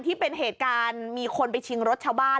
ที่เป็นเหตุการณ์มีคนไปชิงรถชาวบ้าน